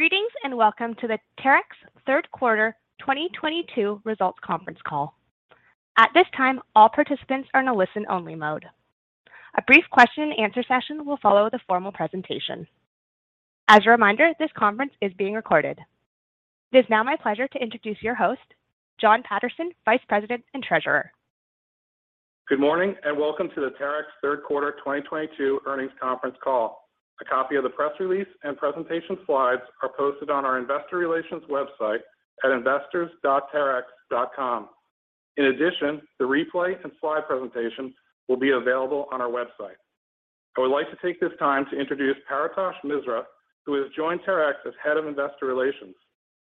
Greetings and welcome to the Terex Q3 2022 results conference call. At this time, all participants are in a listen-only mode. A brief question and answer session will follow the formal presentation. As a reminder, this conference is being recorded. It is now my pleasure to introduce your host, Jon Paterson, Vice President and Treasurer. Good morning and welcome to the Terex Q3 2022 earnings conference call. A copy of the press release and presentation slides are posted on our investor relations website at investors.terex.com. In addition, the replay and slide presentations will be available on our website. I would like to take this time to introduce Paretosh Misra, who has joined Terex as Head of Investor Relations.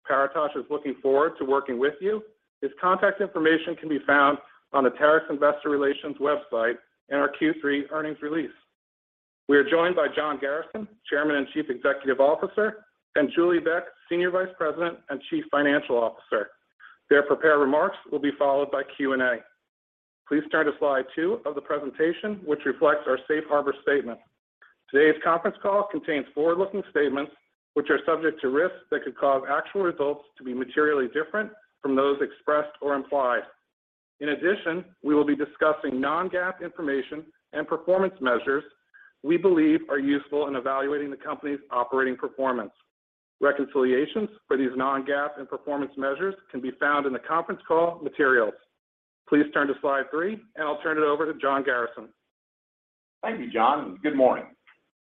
Paretosh is looking forward to working with you. His contact information can be found on the Terex Investor Relations website and our Q3 earnings release. We are joined by John Garrison, Chairman and Chief Executive Officer, and Julie Beck, Senior Vice President and Chief Financial Officer. Their prepared remarks will be followed by Q&A. Please turn to slide 2 of the presentation, which reflects our safe harbor statement. Today's conference call contains forward-looking statements, which are subject to risks that could cause actual results to be materially different from those expressed or implied. In addition, we will be discussing non-GAAP information and performance measures we believe are useful in evaluating the company's operating performance. Reconciliations for these non-GAAP and performance measures can be found in the conference call materials. Please turn to slide 3, and I'll turn it over to John Garrison. Thank you, Jon, and good morning.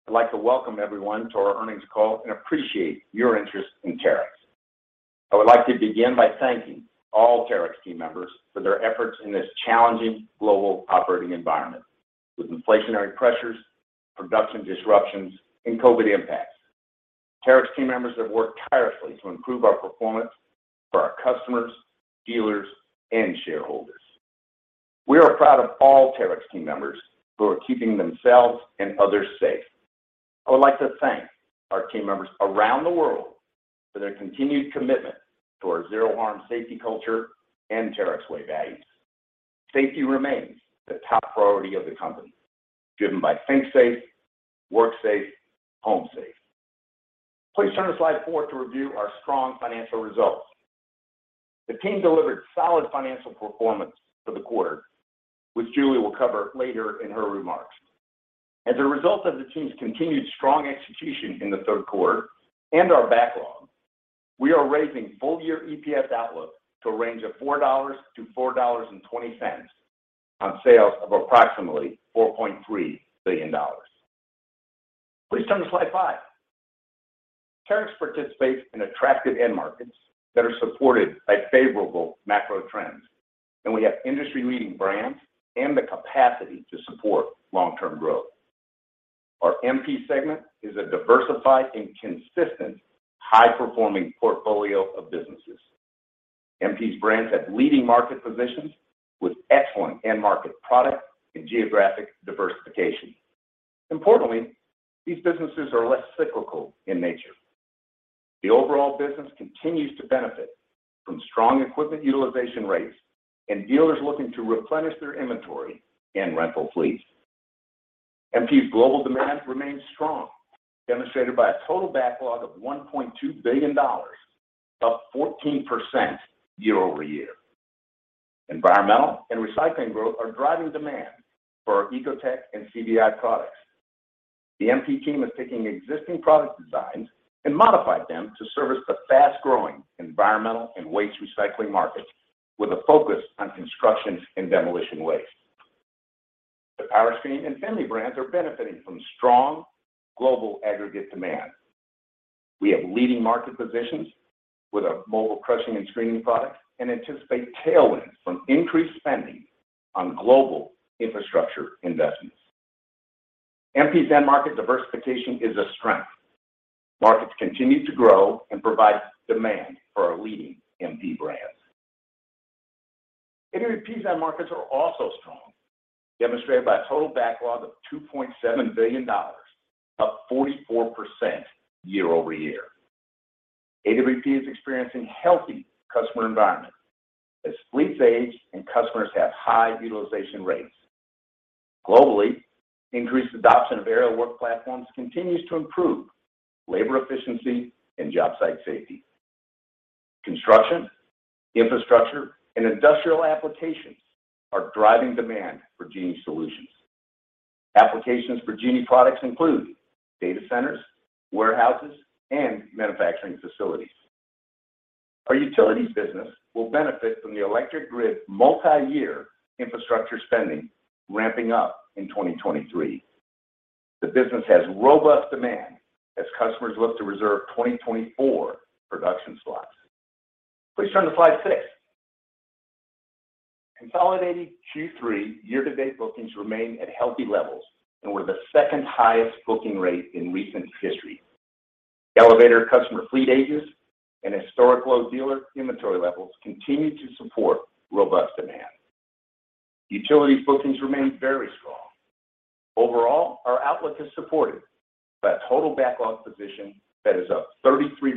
I'd like to welcome everyone to our earnings call and appreciate your interest in Terex. I would like to begin by thanking all Terex team members for their efforts in this challenging global operating environment with inflationary pressures, production disruptions, and COVID impacts. Terex team members have worked tirelessly to improve our performance for our customers, dealers, and shareholders. We are proud of all Terex team members who are keeping themselves and others safe. I would like to thank our team members around the world for their continued commitment to our Zero Harm safety culture and Terex Way values. Safety remains the top priority of the company, driven by think safe, work safe, home safe. Please turn to slide four to review our strong financial results. The team delivered solid financial performance for the quarter, which Julie will cover later in her remarks. As a result of the team's continued strong execution in the Q3 and our backlog, we are raising full-year EPS outlook to a range of $4-$4.20 on sales of approximately $4.3 billion. Please turn to slide 5. Terex participates in attractive end markets that are supported by favorable macro trends, and we have industry-leading brands and the capacity to support long-term growth. Our MP segment is a diversified and consistent high-performing portfolio of businesses. MP's brands have leading market positions with excellent end market product and geographic diversification. Importantly, these businesses are less cyclical in nature. The overall business continues to benefit from strong equipment utilization rates and dealers looking to replenish their inventory and rental fleet. MP's global demand remains strong, demonstrated by a total backlog of $1.2 billion, up 14% year-over-year. Environmental and recycling growth are driving demand for our Ecotec and CBI products. The MP team is taking existing product designs and modified them to service the fast-growing environmental and waste recycling markets with a focus on construction and demolition waste. The Powerscreen and Finlay brands are benefiting from strong global aggregate demand. We have leading market positions with our mobile crushing and screening products and anticipate tailwinds from increased spending on global infrastructure investments. MP's end market diversification is a strength. Markets continue to grow and provide demand for our leading MP brands. AWP's end markets are also strong, demonstrated by a total backlog of $2.7 billion, up 44% year-over-year. AWP is experiencing healthy customer environment as fleets age and customers have high utilization rates. Globally, increased adoption of aerial work platforms continues to improve labor efficiency and job site safety. Construction, infrastructure, and industrial applications are driving demand for Genie solutions. Applications for Genie products include data centers, warehouses, and manufacturing facilities. Our utilities business will benefit from the electric grid multi-year infrastructure spending ramping up in 2023. The business has robust demand as customers look to reserve 2024 production slots. Please turn to slide 6. Consolidated Q3 year-to-date bookings remain at healthy levels and were the second highest booking rate in recent history. The elevator customer fleet ages and historic low dealer inventory levels continue to support robust demand. Utilities bookings remain very strong. Overall, our outlook is supported by a total backlog position that is up 33%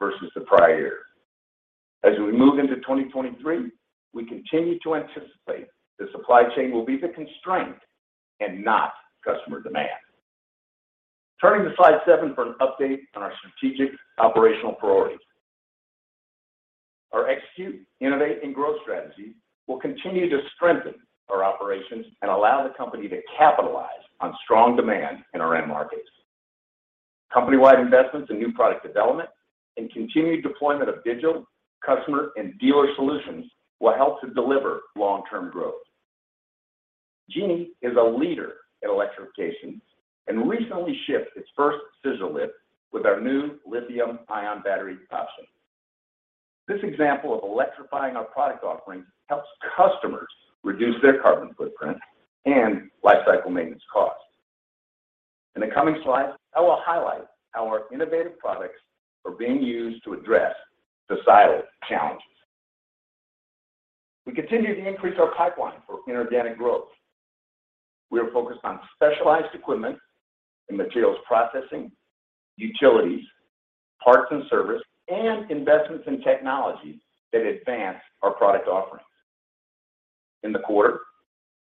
versus the prior year. As we move into 2023, we continue to anticipate the supply chain will be the constraint and not customer demand. Turning to slide 7 for an update on our strategic operational priorities. Our execute, innovate, and growth strategies will continue to strengthen our operations and allow the company to capitalize on strong demand in our end markets. Company-wide investments and new product development and continued deployment of digital, customer, and dealer solutions will help to deliver long-term growth. Genie is a leader in electrification and recently shipped its first scissor lift with our new lithium-ion battery option. This example of electrifying our product offerings helps customers reduce their carbon footprint and life cycle maintenance costs. In the coming slides, I will highlight how our innovative products are being used to address societal challenges. We continue to increase our pipeline for inorganic growth. We are focused on specialized equipment and materials processing, utilities, parts and service, and investments in technologies that advance our product offerings. In the quarter,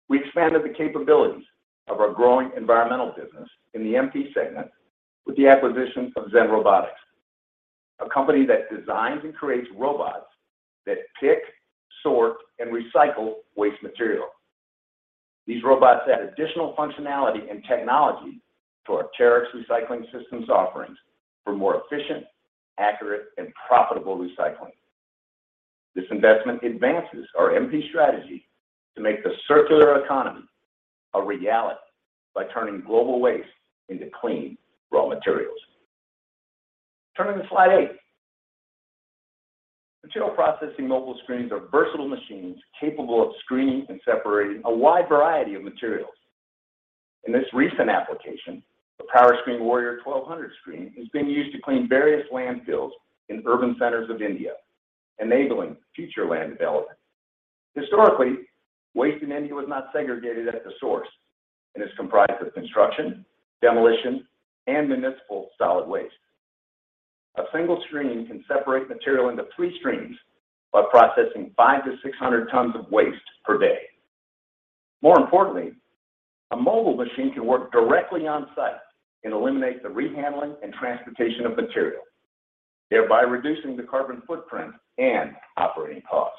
we expanded the capabilities of our growing environmental business in the MP segment with the acquisition of ZenRobotics, a company that designs and creates robots that pick, sort, and recycle waste material. These robots add additional functionality and technology to our Terex recycling systems offerings for more efficient, accurate, and profitable recycling. This investment advances our MP strategy to make the circular economy a reality by turning global waste into clean raw materials. Turning to slide 8. Material processing mobile screens are versatile machines capable of screening and separating a wide variety of materials. In this recent application, the Powerscreen Warrior 1200 screen is being used to clean various landfills in urban centers of India, enabling future land development. Historically, waste in India was not segregated at the source and is comprised of construction, demolition, and municipal solid waste. A single screen can separate material into three streams while processing 500 tons-600 tons of waste per day. More importantly, a mobile machine can work directly on-site and eliminate the rehandling and transportation of material, thereby reducing the carbon footprint and operating costs.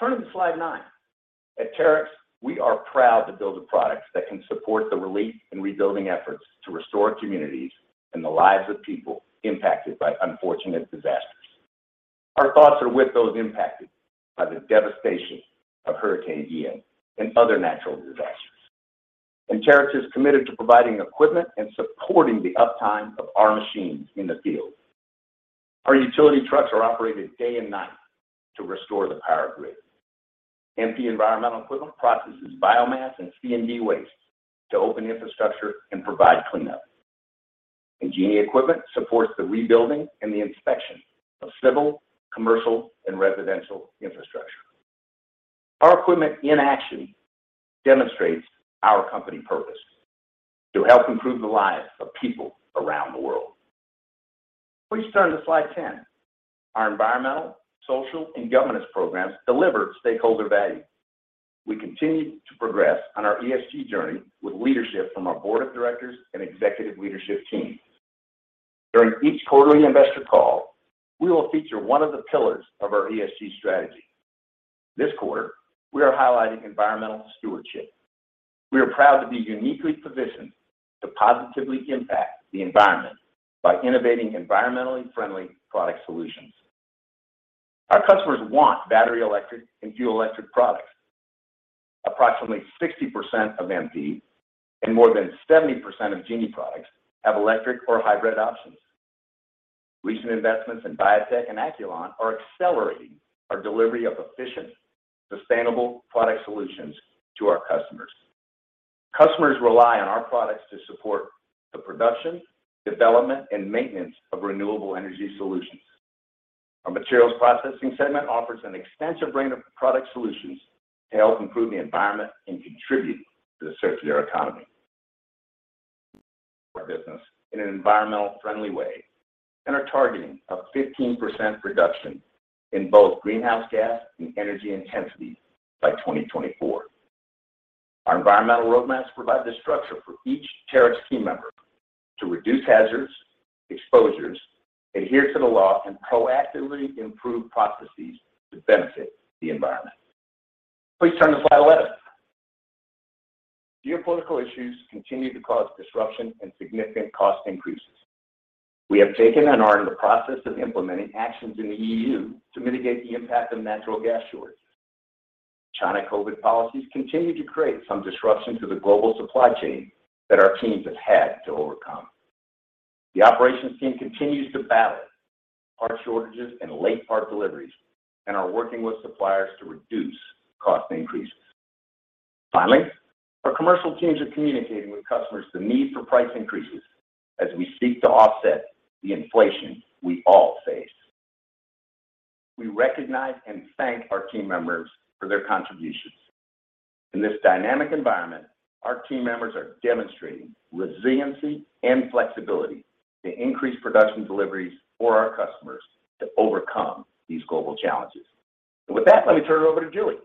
Turning to slide 9. At Terex, we are proud to build the products that can support the relief and rebuilding efforts to restore communities and the lives of people impacted by unfortunate disasters. Our thoughts are with those impacted by the devastation of Hurricane Ian and other natural disasters. Terex is committed to providing equipment and supporting the uptime of our machines in the field. Our utility trucks are operated day and night to restore the power grid. MP environmental equipment processes biomass and C&D waste to open infrastructure and provide cleanup. Genie equipment supports the rebuilding and the inspection of civil, commercial, and residential infrastructure. Our equipment in action demonstrates our company purpose, to help improve the lives of people around the world. Please turn to slide 10. Our environmental, social, and governance programs deliver stakeholder value. We continue to progress on our ESG journey with leadership from our board of directors and executive leadership team. During each quarterly investor call, we will feature one of the pillars of our ESG strategy. This quarter, we are highlighting environmental stewardship. We are proud to be uniquely positioned to positively impact the environment by innovating environmentally friendly product solutions. Our customers want battery electric and fuel-cell electric products. Approximately 60% of MP and more than 70% of Genie products have electric or hybrid options. Recent investments in Viatec and Acculon are accelerating our delivery of efficient, sustainable product solutions to our customers. Customers rely on our products to support the production, development, and maintenance of renewable energy solutions. Our materials processing segment offers an extensive range of product solutions to help improve the environment and contribute to the circular economy. Our business in an environmentally friendly way and are targeting a 15% reduction in both greenhouse gas and energy intensity by 2024. Our environmental roadmaps provide the structure for each Terex team member to reduce hazards, exposures, adhere to the law, and proactively improve processes to benefit the environment. Please turn to slide 11. Geopolitical issues continue to cause disruption and significant cost increases. We have taken and are in the process of implementing actions in the EU to mitigate the impact of natural gas shortage. China COVID policies continue to create some disruption to the global supply chain that our teams have had to overcome. The operations team continues to battle part shortages and late part deliveries and are working with suppliers to reduce cost increases. Finally, our commercial teams are communicating with customers the need for price increases as we seek to offset the inflation we all face. We recognize and thank our team members for their contributions. In this dynamic environment, our team members are demonstrating resiliency and flexibility to increase production deliveries for our customers to overcome these global challenges. With that, let me turn it over to Julie.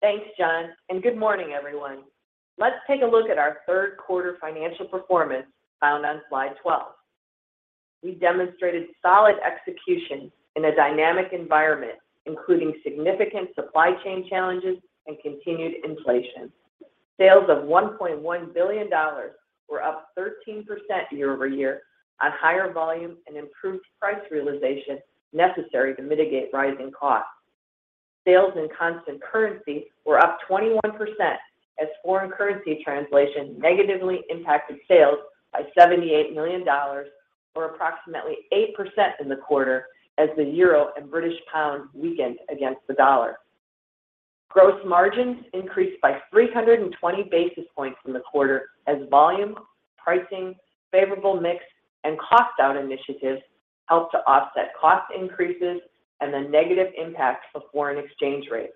Thanks, John, and good morning, everyone. Let's take a look at our Q3 financial performance found on slide 12. We demonstrated solid execution in a dynamic environment, including significant supply chain challenges and continued inflation. Sales of $1.1 billion were up 13% year-over-year on higher volume and improved price realization necessary to mitigate rising costs. Sales in constant currency were up 21% as foreign currency translation negatively impacted sales by $78 million or approximately 8% in the quarter as the euro and British pound weakened against the dollar. Gross margins increased by 320 basis points in the quarter as volume, pricing, favorable mix, and cost down initiatives helped to offset cost increases and the negative impacts of foreign exchange rates.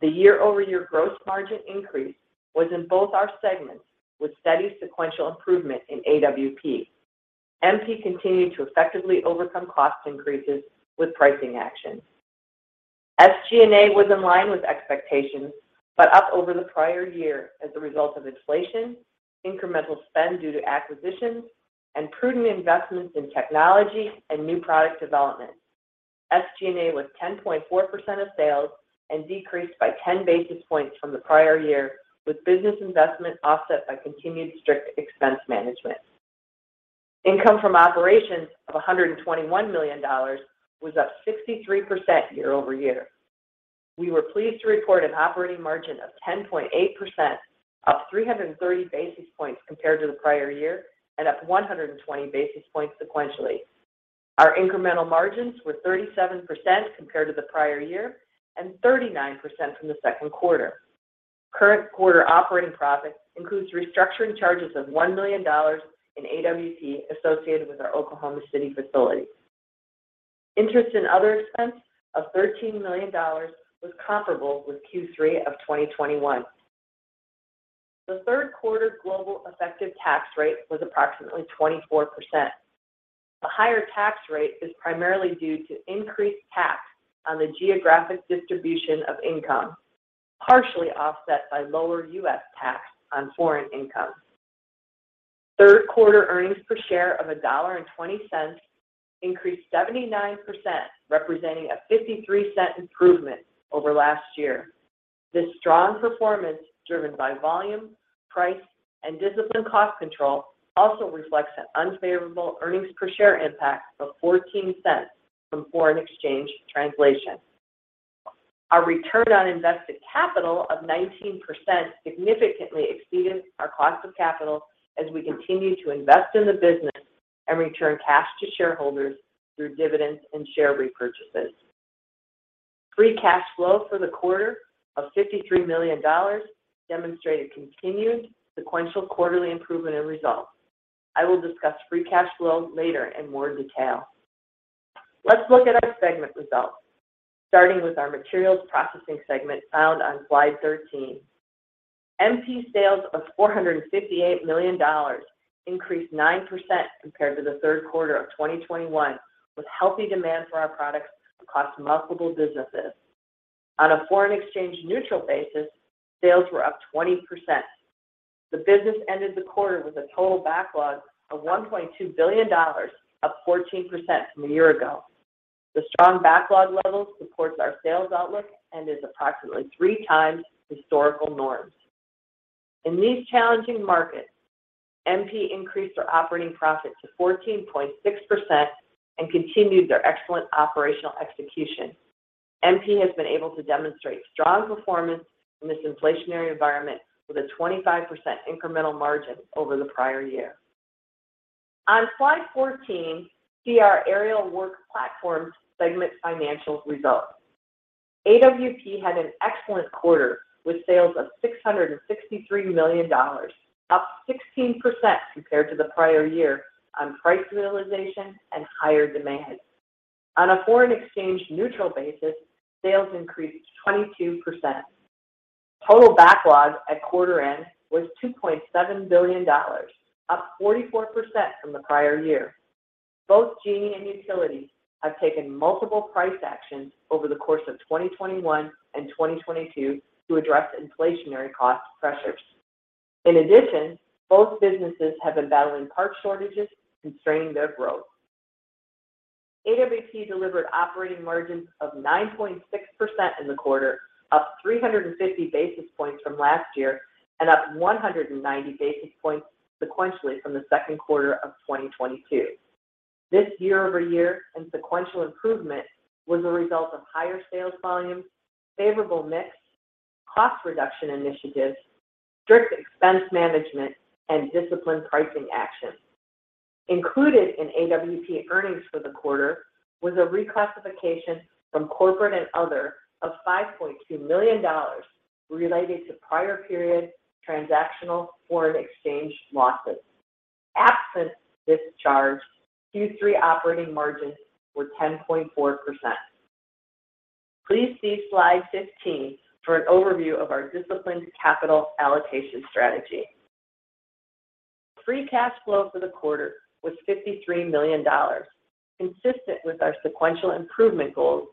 The year-over-year gross margin increase was in both our segments with steady sequential improvement in AWP. MP continued to effectively overcome cost increases with pricing actions. SG&A was in line with expectations, but up over the prior year as a result of inflation, incremental spend due to acquisitions, and prudent investments in technology and new product development. SG&A was 10.4% of sales and decreased by 10 basis points from the prior year with business investment offset by continued strict expense management. Income from operations of $121 million was up 63% year-over-year. We were pleased to report an operating margin of 10.8%, up 330 basis points compared to the prior year and up 120 basis points sequentially. Our incremental margins were 37% compared to the prior year and 39% from the Q2. Current quarter operating profit includes restructuring charges of $1 million in AWP associated with our Oklahoma City facility. Interest and other expense of $13 million was comparable with Q3 of 2021. The Q3 global effective tax rate was approximately 24%. The higher tax rate is primarily due to increased tax on the geographic distribution of income, partially offset by lower U.S. tax on foreign income. Q3 earnings per share of $1.20 increased 79%, representing a $0.53 improvement over last year. This strong performance, driven by volume, price, and disciplined cost control, also reflects an unfavorable earnings per share impact of $0.14 from foreign exchange translation. Our return on invested capital of 19% significantly exceeded our cost of capital as we continue to invest in the business and return cash to shareholders through dividends and share repurchases. Free cash flow for the quarter of $53 million demonstrated continued sequential quarterly improvement in results. I will discuss free cash flow later in more detail. Let's look at our segment results, starting with our materials processing segment found on slide 13. MP sales of $458 million increased 9% compared to the Q3 of 2021, with healthy demand for our products across multiple businesses. On a foreign exchange neutral basis, sales were up 20%. The business ended the quarter with a total backlog of $1.2 billion, up 14% from a year ago. The strong backlog levels supports our sales outlook and is approximately 3x historical norms. In these challenging markets, MP increased our operating profit to 14.6% and continued their excellent operational execution. MP has been able to demonstrate strong performance in this inflationary environment with a 25% incremental margin over the prior year. On slide 14, see our aerial work platforms segment financials results. AWP had an excellent quarter with sales of $663 million, up 16% compared to the prior year on price realization and higher demand. On a foreign exchange neutral basis, sales increased 22%. Total backlog at quarter end was $2.7 billion, up 44% from the prior year. Both Genie and Utility have taken multiple price actions over the course of 2021 and 2022 to address inflationary cost pressures. In addition, both businesses have been battling parts shortages constraining their growth. AWP delivered operating margins of 9.6% in the quarter, up 350 basis points from last year and up 190 basis points sequentially from the Q2 of 2022. This year-over-year and sequential improvement was a result of higher sales volumes, favorable mix, cost reduction initiatives, strict expense management, and disciplined pricing actions. Included in AWP earnings for the quarter was a reclassification from corporate and other of $5.2 million related to prior period transactional foreign exchange losses. Absent this charge, Q3 operating margins were 10.4%. Please see slide 15 for an overview of our disciplined capital allocation strategy. Free cash flow for the quarter was $53 million, consistent with our sequential improvement goals,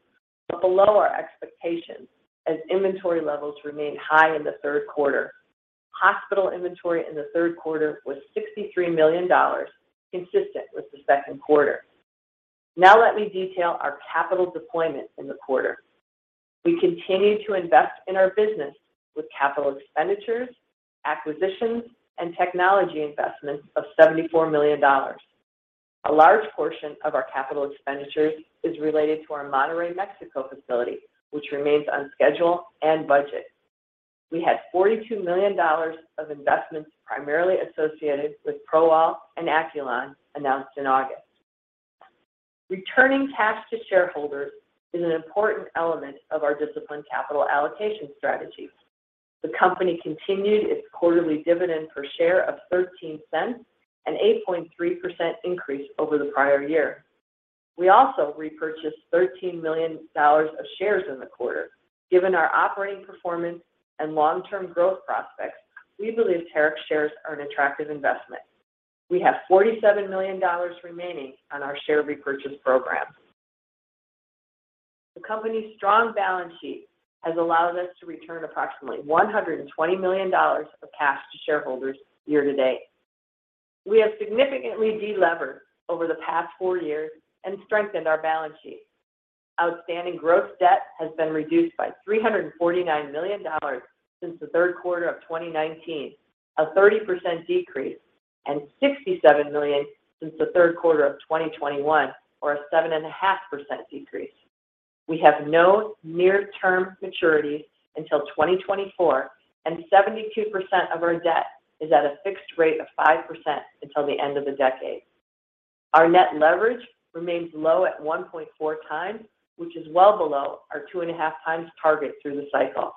but below our expectations as inventory levels remained high in the Q3. Hospital inventory in the Q3 was $63 million, consistent with the Q2. Now let me detail our capital deployment in the quarter. We continue to invest in our business with capital expenditures, acquisitions, and technology investments of $74 million. A large portion of our capital expenditures is related to our Monterrey, Mexico facility, which remains on schedule and budget. We had $42 million of investments primarily associated with ProAll and Acculon announced in August. Returning cash to shareholders is an important element of our disciplined capital allocation strategy. The company continued its quarterly dividend per share of $0.13, an 8.3% increase over the prior year. We also repurchased $13 million of shares in the quarter. Given our operating performance and long-term growth prospects, we believe Terex shares are an attractive investment. We have $47 million remaining on our share repurchase program. The company's strong balance sheet has allowed us to return approximately $120 million of cash to shareholders year-to-date. We have significantly de-levered over the past four years and strengthened our balance sheet. Outstanding gross debt has been reduced by $349 million since the Q3 of a 30% decrease, and $67 million since the Q3 of 2021, or a 7.5% decrease. We have no near-term maturities until 2024, and 72% of our debt is at a fixed rate of 5% until the end of the decade. Our net leverage remains low at 1.4x, which is well below our 2.5x target through the cycle.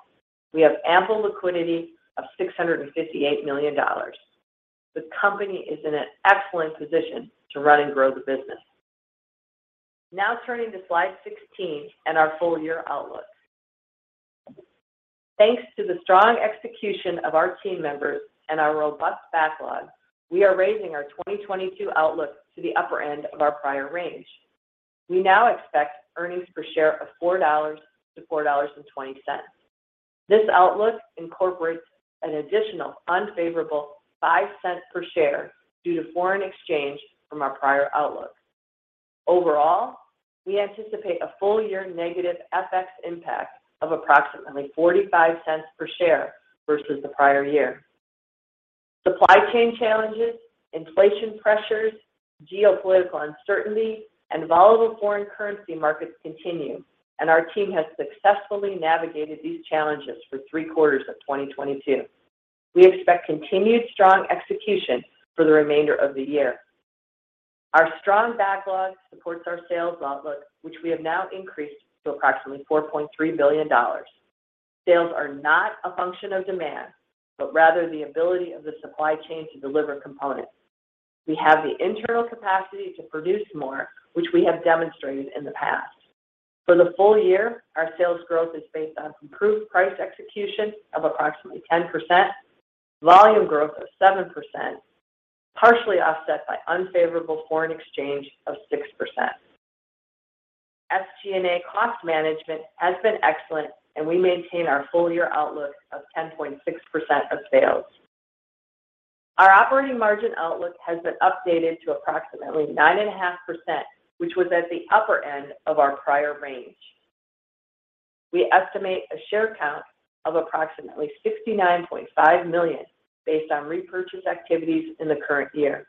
We have ample liquidity of $658 million. The company is in an excellent position to run and grow the business. Now turning to slide 16 and our full-year outlook. Thanks to the strong execution of our team members and our robust backlog, we are raising our 2022 outlook to the upper end of our prior range. We now expect earnings per share of $4-$4.20. This outlook incorporates an additional unfavorable $0.05 per share due to foreign exchange from our prior outlook. Overall, we anticipate a full-year negative FX impact of approximately $0.45 per share versus the prior year. Supply chain challenges, inflation pressures, geopolitical uncertainty, and volatile foreign currency markets continue, and our team has successfully navigated these challenges for three ProAll quarters of 2022. We expect continued strong execution for the remainder of the year. Our strong backlog supports our sales outlook, which we have now increased to approximately $4.3 billion. Sales are not a function of demand, but rather the ability of the supply chain to deliver components. We have the internal capacity to produce more, which we have demonstrated in the past. For the full year, our sales growth is based on improved price execution of approximately 10%, volume growth of 7%, partially offset by unfavorable foreign exchange of 6%. SG&A cost management has been excellent, and we maintain our full-year outlook of 10.6% of sales. Our operating margin outlook has been updated to approximately 9.5%, which was at the upper end of our prior range. We estimate a share count of approximately 69.5 million based on repurchase activities in the current year.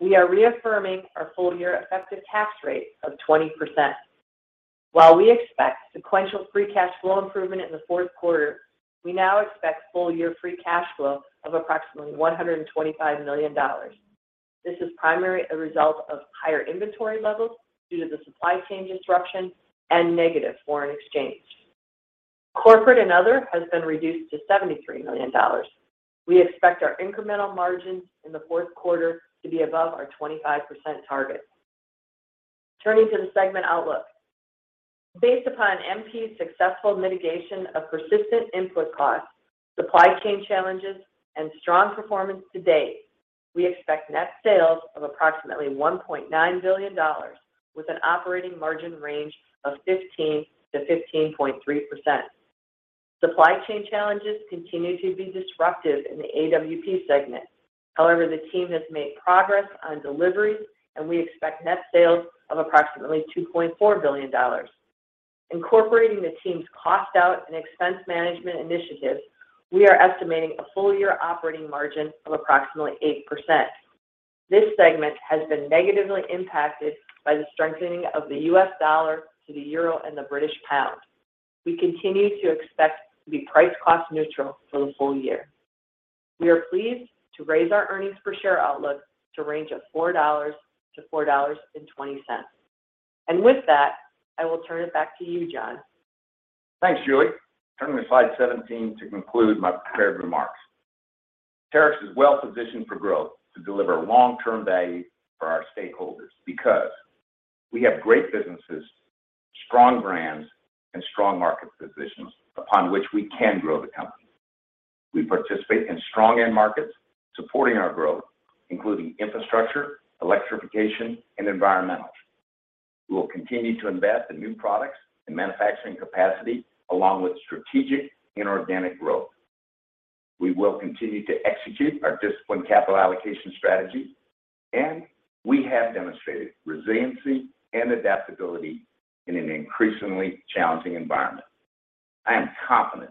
We are reaffirming our full-year effective tax rate of 20%. While we expect sequential free cash flow improvement in the Q4, we now expect full-year free cash flow of approximately $125 million. This is primarily a result of higher inventory levels due to the supply chain disruption and negative foreign exchange. Corporate and other has been reduced to $73 million. We expect our incremental margins in the Q4 to be above our 25% target. Turning to the segment outlook. Based upon MP's successful mitigation of persistent input costs, supply chain challenges, and strong performance to date, we expect net sales of approximately $1.9 billion with an operating margin range of 15%-15.3%. Supply chain challenges continue to be disruptive in the AWP segment. However, the team has made progress on deliveries, and we expect net sales of approximately $2.4 billion. Incorporating the team's cost out and expense management initiatives, we are estimating a full-year operating margin of approximately 8%. This segment has been negatively impacted by the strengthening of the U.S. dollar against the euro and the British pound. We continue to expect to be price-cost neutral for the full year. We are pleased to raise our earnings per share outlook to range of $4-$4.20. With that, I will turn it back to you, John. Thanks, Julie. Turning to slide 17 to conclude my prepared remarks. Terex is well positioned for growth to deliver long-term value for our stakeholders because we have great businesses, strong brands, and strong market positions upon which we can grow the company. We participate in strong end markets supporting our growth, including infrastructure, electrification, and environmental. We will continue to invest in new products and manufacturing capacity along with strategic inorganic growth. We will continue to execute our disciplined capital allocation strategy, and we have demonstrated resiliency and adaptability in an increasingly challenging environment. I am confident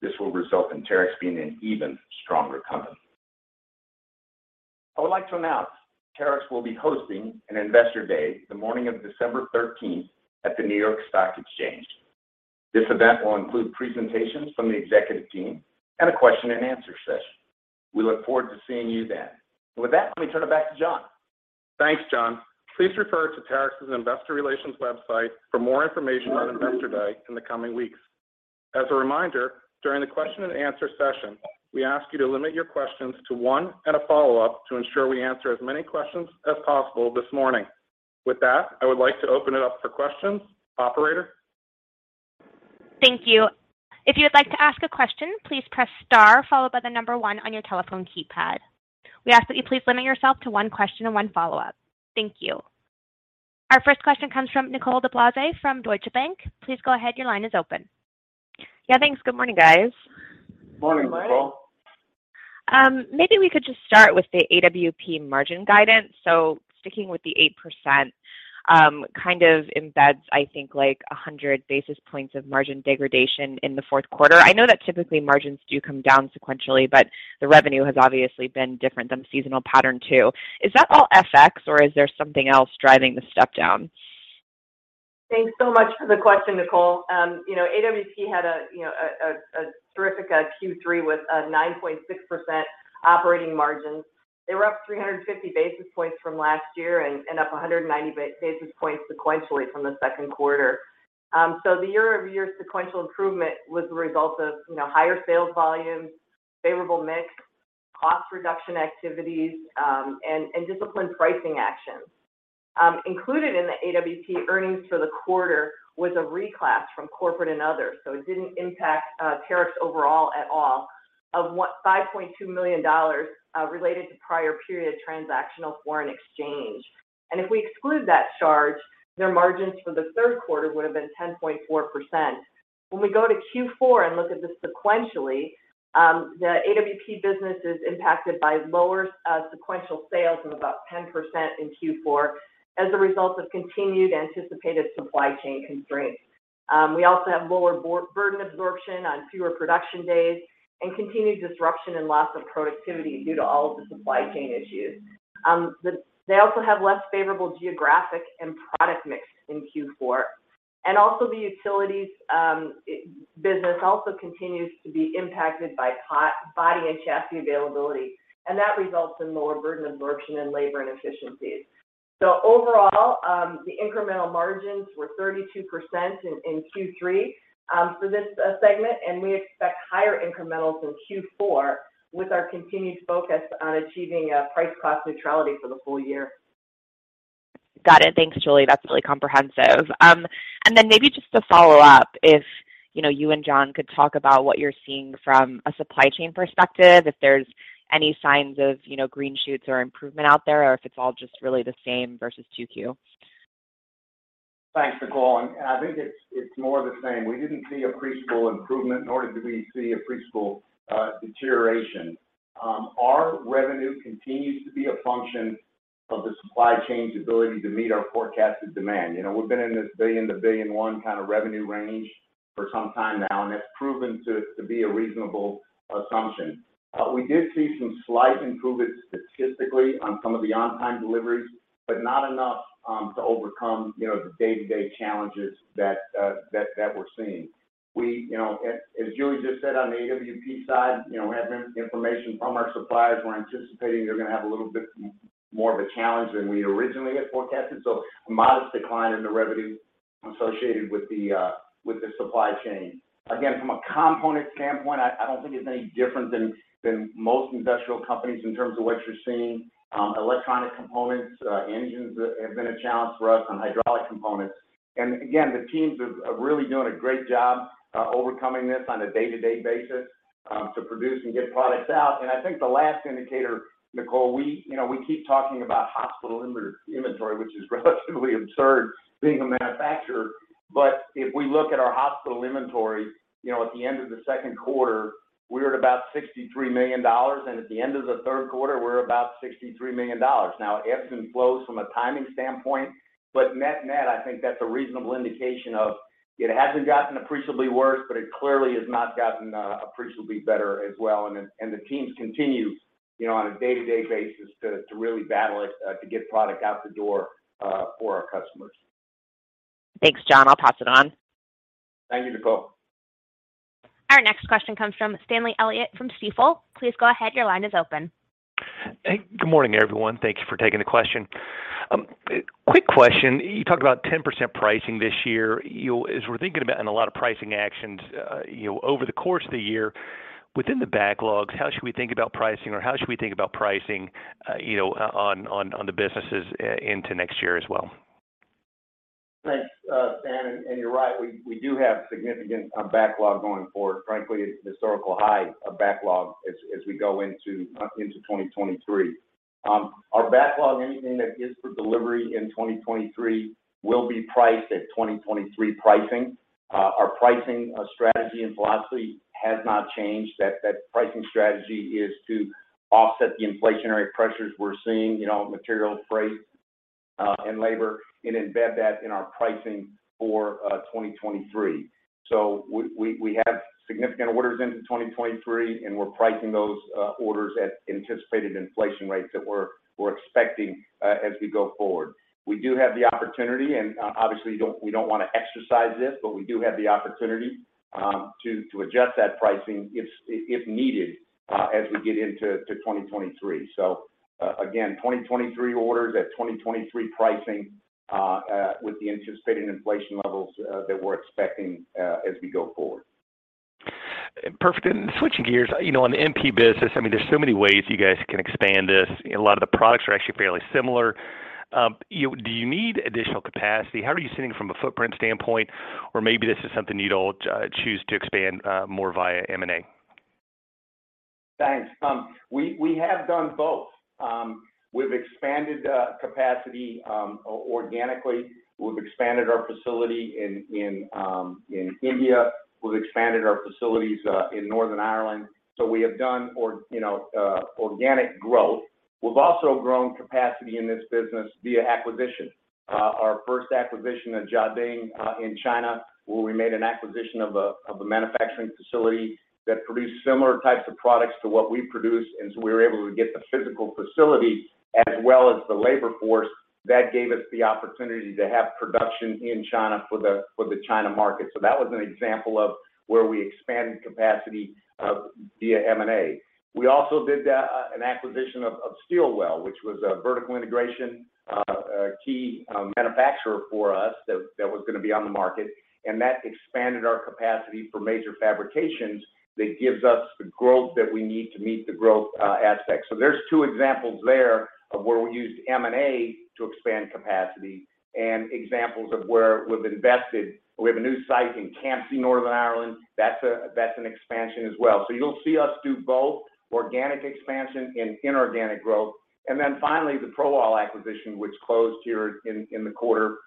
this will result in Terex being an even stronger company. I would like to announce Terex will be hosting an Investor Day the morning of December 13th at the New York Stock Exchange. This event will include presentations from the executive team and a question and answer session. We look forward to seeing you then. With that, let me turn it back to Jon. Thanks, John. Please refer to Terex's Investor Relations website for more information on Investor Day in the coming weeks. As a reminder, during the question and answer session, we ask you to limit your questions to one and a follow-up to ensure we answer as many questions as possible this morning. With that, I would like to open it up for questions. Operator? Thank you. If you would like to ask a question, please press Star followed by the number one on your telephone keypad. We ask that you please limit yourself to one question and one follow-up. Thank you. Our first question comes from Nicole DeBlase from Deutsche Bank. Please go ahead. Your line is open. Yeah, thanks. Good morning, guys. Morning, Nicole. Morning. Maybe we could just start with the AWP margin guidance. Sticking with the 8%, kind of embeds, I think, like 100 basis points of margin degradation in the Q4. I know that typically margins do come down sequentially, but the revenue has obviously been different than the seasonal pattern too. Is that all FX, or is there something else driving the step down? Thanks so much for the question, Nicole. You know, AWP had a terrific Q3 with a 9.6% operating margin. They were up 350 basis points from last year and up 190 basis points sequentially from the Q2. The year-over-year sequential improvement was the result of you know, higher sales volumes, favorable mix, cost reduction activities, and disciplined pricing actions. Included in the AWP earnings for the quarter was a reclass from corporate and others, so it didn't impact Terex overall at all, of $5.2 million related to prior period transactional foreign exchange. If we exclude that charge, their margins for the Q3 would have been 10.4%. When we go to Q4 and look at this sequentially, the AWP business is impacted by lower sequential sales of about 10% in Q4 as a result of continued anticipated supply chain constraints. We also have lower burden absorption on fewer production days and continued disruption and loss of productivity due to all of the supply chain issues. They also have less favorable geographic and product mix in Q4. Also the Utilities business also continues to be impacted by body and chassis availability, and that results in lower burden absorption and labor inefficiencies. Overall, the incremental margins were 32% in Q3 for this segment, and we expect higher incrementals in Q4 with our continued focus on achieving price cost neutrality for the full year. Got it. Thanks, Julie. That's really comprehensive. Maybe just to follow up, if, you know, you and John could talk about what you're seeing from a supply chain perspective, if there's any signs of, you know, green shoots or improvement out there, or if it's all just really the same versus Q2? Thanks, Nicole. I think it's more the same. We didn't see appreciable improvement, nor did we see appreciable deterioration. Our revenue continues to be a function of the supply chain's ability to meet our forecasted demand. You know, we've been in this $1 billion-$1.1 billion kind of revenue range for some time now, and it's proven to be a reasonable assumption. We did see some slight improvement statistically on some of the on-time deliveries, but not enough to overcome, you know, the day-to-day challenges that we're seeing. As Julie just said on the AWP side, you know, we have information from our suppliers. We're anticipating they're gonna have a little bit more of a challenge than we originally had forecasted, so a modest decline in the revenue associated with the supply chain. Again, from a component standpoint, I don't think it's any different than most industrial companies in terms of what you're seeing. Electronic components, engines have been a challenge for us on hydraulic components. Again, the teams are really doing a great job overcoming this on a day-to-day basis to produce and get products out. I think the last indicator, Nicole, we keep talking about hospital inventory, which is relatively absurd being a manufacturer. If we look at our hospital inventory, you know, at the end of the Q2, we were at about $63 million, and at the end of the Q3, we're about $63 million. Now it ebbs and flows from a timing standpoint, but net-net, I think that's a reasonable indication of it hasn't gotten appreciably worse, but it clearly has not gotten appreciably better as well. The teams continue, you know, on a day-to-day basis to really battle it to get product out the door for our customers. Thanks, John. I'll pass it on. Thank you, Nicole. Our next question comes from Stanley Elliott from Stifel. Please go ahead. Your line is open. Hey, good morning, everyone. Thank you for taking the question. Quick question. You talked about 10% pricing this year. As we're thinking about and a lot of pricing actions, you know, over the course of the year within the backlogs, how should we think about pricing? Or how should we think about pricing, you know, on the businesses into next year as well? Thanks, Stan. You're right. We do have significant backlog going forward. Frankly, it's historical high of backlog as we go into 2023. Our backlog, anything that is for delivery in 2023 will be priced at 2023 pricing. Our pricing strategy and philosophy has not changed. That pricing strategy is to offset the inflationary pressures we're seeing, you know, material, freight, and labor, and embed that in our pricing for 2023. We have significant orders into 2023, and we're pricing those orders at anticipated inflation rates that we're expecting as we go forward. We do have the opportunity, and obviously we don't want to exercise this, but we do have the opportunity to adjust that pricing if needed as we get into 2023. Again, 2023 orders at 2023 pricing with the anticipated inflation levels that we're expecting as we go forward. Perfect. Switching gears, you know, on the MP business, I mean, there's so many ways you guys can expand this. A lot of the products are actually fairly similar. Do you need additional capacity? How are you sitting from a footprint standpoint? Or maybe this is something you'd choose to expand more via M&A. Thanks. We have done both. We've expanded capacity organically. We've expanded our facility in India. We've expanded our facilities in Northern Ireland. We have done, you know, organic growth. We've also grown capacity in this business via acquisition. Our first acquisition of Jiading in China, where we made an acquisition of a manufacturing facility that produced similar types of products to what we produce. We were able to get the physical facility as well as the labor force that gave us the opportunity to have production in China for the China market. That was an example of where we expanded capacity via M&A. We also did an acquisition of Steelweld, which was a vertical integration key manufacturer for us that was gonna be on the market. That expanded our capacity for major fabrications that gives us the growth that we need to meet the growth aspect. There's two examples there of where we used M&A to expand capacity and examples of where we've invested. We have a new site in Campsie, Northern Ireland. That's an expansion as well. You'll see us do both organic expansion and inorganic growth. Then finally, the ProAll acquisition, which closed here in the quarter.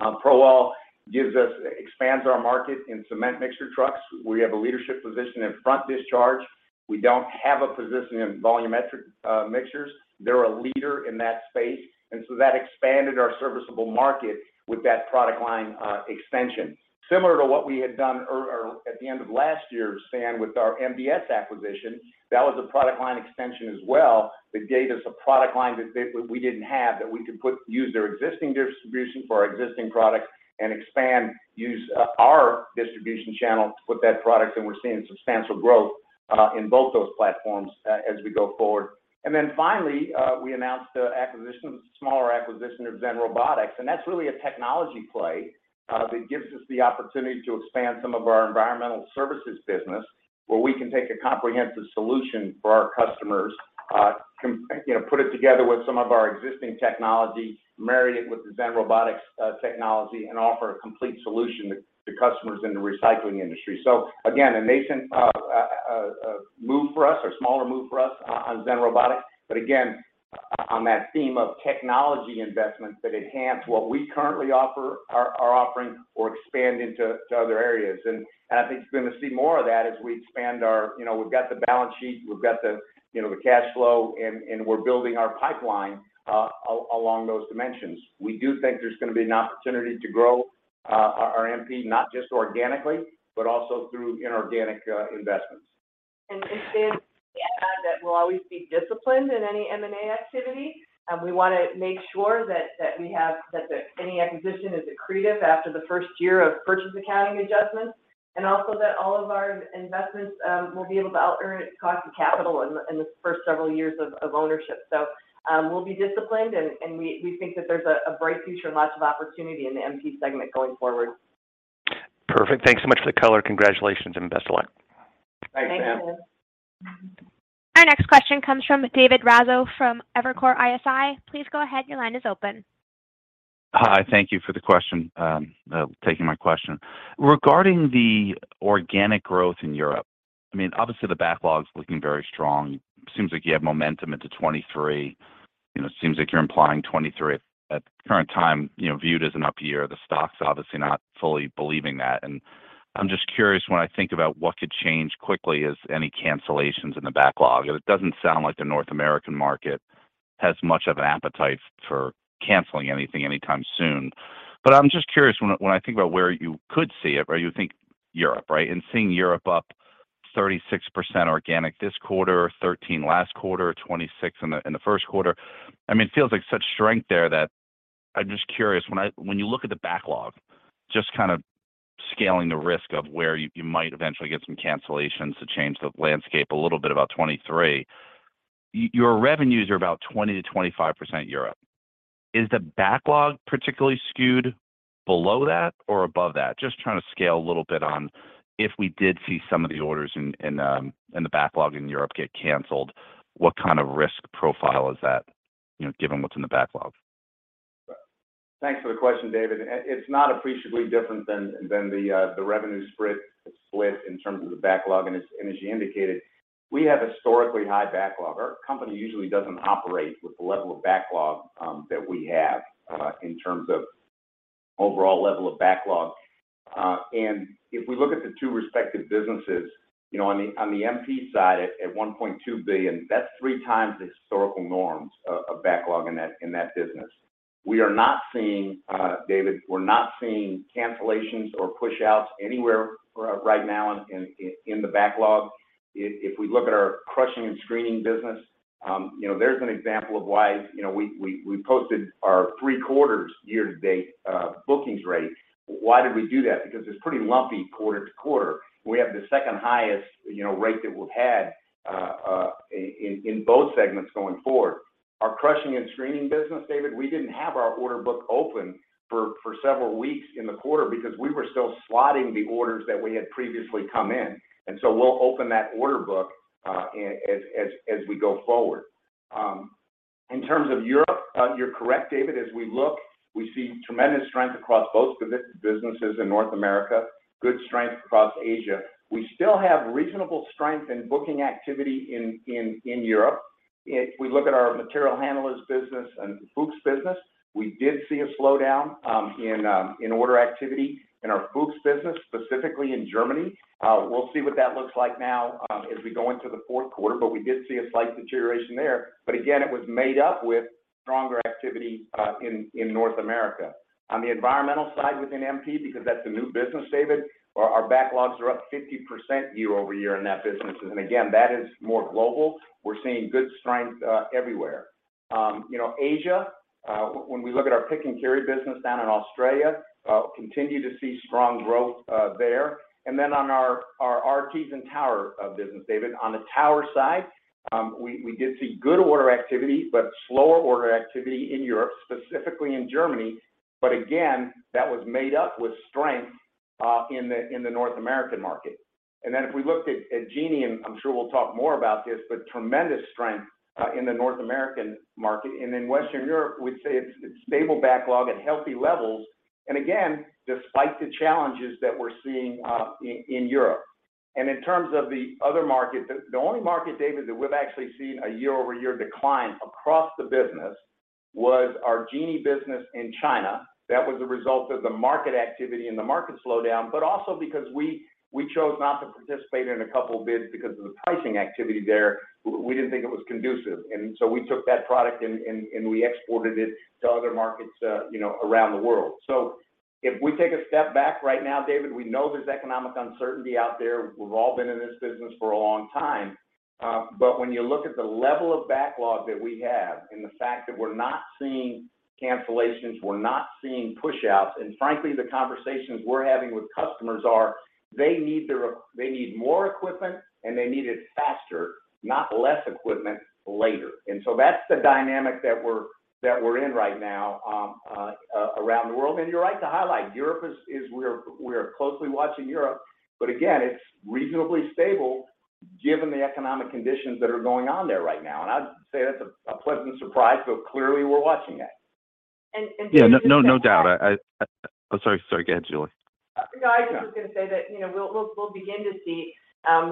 ProAll expands our market in cement mixer trucks. We have a leadership position in front discharge. We don't have a position in volumetric mixers. They're a leader in that space. That expanded our serviceable market with that product line extension. Similar to what we had done at the end of last year, Stan, with our MPS acquisition. That was a product line extension as well that gave us a product line that we didn't have, that we could put to use their existing distribution for our existing product and expand to use our distribution channel to put that product. We're seeing substantial growth in both those platforms as we go forward. Finally, we announced the acquisition, smaller acquisition of ZenRobotics, and that's really a technology play, that gives us the opportunity to expand some of our environmental services business, where we can take a comprehensive solution for our customers, you know, put it together with some of our existing technology, marry it with the ZenRobotics technology, and offer a complete solution to customers in the recycling industry. Again, a nascent move for us, a smaller move for us on ZenRobotics. Again, on that theme of technology investments that enhance what we currently offer, are offering or expand into other areas. I think you're gonna see more of that as we expand our. You know, we've got the balance sheet, we've got the, you know, the cash flow, and we're building our pipeline along those dimensions. We do think there's gonna be an opportunity to grow our MP, not just organically, but also through inorganic investments. Stan, to add that we'll always be disciplined in any M&A activity. We wanna make sure that any acquisition is accretive after the first year of purchase accounting adjustments. Also that all of our investments will be able to out earn its cost of capital in the first several years of ownership. We'll be disciplined, we think that there's a bright future and lots of opportunity in the MP segment going forward. Perfect. Thanks so much for the color. Congratulations and best of luck. Thanks, Stan. Thanks. Our next question comes from David Raso from Evercore ISI. Please go ahead. Your line is open. Hi. Thank you for taking my question. Regarding the organic growth in Europe, I mean, obviously the backlog's looking very strong. Seems like you have momentum into 2023. You know, seems like you're implying 2023 at current time, you know, viewed as an up year. The stock's obviously not fully believing that. I'm just curious when I think about what could change quickly is any cancellations in the backlog. It doesn't sound like the North American market has much of an appetite for canceling anything anytime soon. I'm just curious when I think about where you could see it, where you think Europe, right? Seeing Europe up 36% organic this quarter, 13% last quarter, 26% in the Q1. I mean, it feels like such strength there that I'm just curious, when you look at the backlog, just kind of scaling the risk of where you might eventually get some cancellations to change the landscape a little bit about 2023. Your revenues are about 20%-25% Europe. Is the backlog particularly skewed below that or above that? Just trying to scale a little bit on if we did see some of the orders in the backlog in Europe get canceled, what kind of risk profile is that, you know, given what's in the backlog? Thanks for the question, David. It's not appreciably different than the revenue split in terms of the backlog. As you indicated, we have historically high backlog. Our company usually doesn't operate with the level of backlog that we have in terms of overall level of backlog. If we look at the two respective businesses, you know, on the MP side at $1.2 billion, that's 3x the historical norms of backlog in that business. David, we're not seeing cancellations or pushouts anywhere right now in the backlog. If we look at our crushing and screening business, you know, there's an example of why, you know, we posted our three quarters year-to-date bookings rate. Why did we do that? Because it's pretty lumpy quarter-to-quarter. We have the second-highest rate that we've had in both segments going forward. Our crushing and screening business, David, we didn't have our order book open for several weeks in the quarter because we were still slotting the orders that we had previously come in. We'll open that order book as we go forward. In terms of Europe, you're correct, David. As we look, we see tremendous strength across both businesses in North America, good strength across Asia. We still have reasonable strength in booking activity in Europe. If we look at our material handlers business and Fuchs business, we did see a slowdown in order activity in our Fuchs business, specifically in Germany. We'll see what that looks like now, as we go into the Q4, but we did see a slight deterioration there. Again, it was made up with stronger activity in North America. On the environmental side within MP, because that's a new business, David, our backlogs are up 50% year-over-year in that business. Again, that is more global. We're seeing good strength everywhere. You know, Asia, when we look at our Pick & Carry business down in Australia, continue to see strong growth there. Then on our Artesan tower business, David, on the tower side, we did see good order activity, but slower order activity in Europe, specifically in Germany. Again, that was made up with strength in the North American market. Then if we looked at Genie, and I'm sure we'll talk more about this, but tremendous strength in the North American market. In Western Europe, we'd say it's stable backlog at healthy levels. Again, despite the challenges that we're seeing in Europe. In terms of the other market, the only market, David, that we've actually seen a year-over-year decline across the business was our Genie business in China. Th at was a result of the market activity and the market slowdown, but also because we chose not to participate in a couple bids because of the pricing activity there. We didn't think it was conducive. So we took that product and we exported it to other markets, you know, around the world. If we take a step back right now, David, we know there's economic uncertainty out there. We've all been in this business for a long time. When you look at the level of backlog that we have and the fact that we're not seeing cancellations, we're not seeing pushouts, and frankly, the conversations we're having with customers are they need more equipment, and they need it faster, not less equipment later. That's the dynamic that we're in right now around the world. You're right to highlight Europe. We're closely watching Europe. It's reasonably stable given the economic conditions that are going on there right now. I'd say that's a pleasant surprise. Clearly we're watching that. Yeah. No doubt. Sorry. Go ahead, Julie. No, I just was gonna say that, you know, we'll begin to see.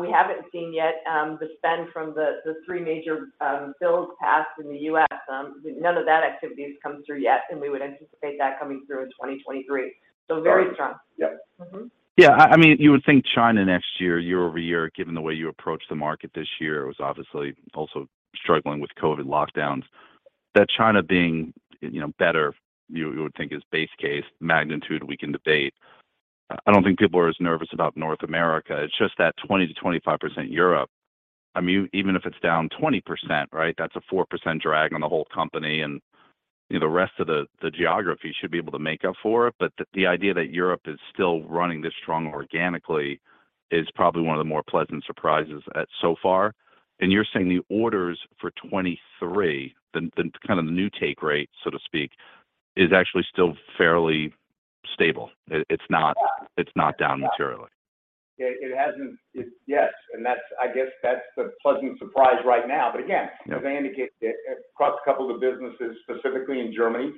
We haven't seen yet the spend from the three major bills passed in the U.S. None of that activity has come through yet, and we would anticipate that coming through in 2023. Very strong. Yeah. I mean, you would think China next year-over-year, given the way you approached the market this year was obviously also struggling with COVID lockdowns. That China being, you know, better, you would think is base case magnitude we can debate. I don't think people are as nervous about North America. It's just that 20%-25% Europe. I mean, even if it's down 20%, right? That's a 4% drag on the whole company, and, you know, the rest of the geography should be able to make up for it. But the idea that Europe is still running this strong organically is probably one of the more pleasant surprises so far. You're saying the orders for 2023, the kind of the new take rate, so to speak, is actually still fairly stable. It's not down materially. It hasn't. Yes, and that's, I guess that's the pleasant surprise right now, but again- Yeah. -as I indicated, across a couple of the businesses, specifically in Germany,